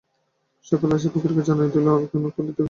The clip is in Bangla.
সকলে আসিয়া ফকিরকে জানাইয়া দিল, এমন ভণ্ডতপস্বীগিরি এখানে খাটিবে না।